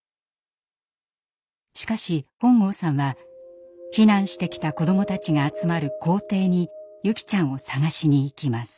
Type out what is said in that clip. しかし本郷さんは避難してきた子どもたちが集まる校庭に優希ちゃんを捜しに行きます。